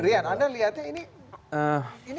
rian anda lihatnya ini